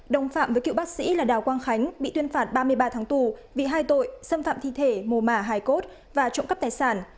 đồng phạm với cựu bác sĩ là đào quang khánh bị tuyên phạt ba mươi ba tháng tù vì hai tội xâm phạm thi thể mồ mả hải cốt và trộm cắp tài sản